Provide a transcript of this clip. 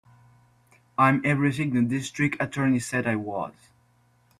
I'm everything the District Attorney said I was.